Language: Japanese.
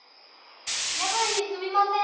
・夜分にすみません。